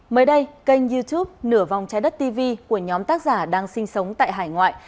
mới đây kênh youtube nửa vòng trái đất tv của nhóm tác giả đang sinh sống tại hải ngoại